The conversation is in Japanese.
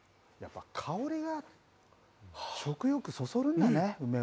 香りが食欲そそるんだね、梅は。